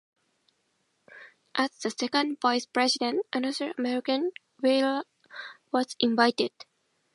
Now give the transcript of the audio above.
As the second vice president, another American, Wheeler was invited.